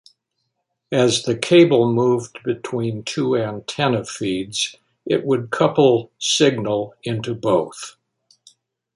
As the cable moved between two antenna feeds, it would couple signal into both.